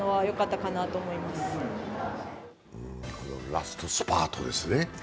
ラストスパートですね。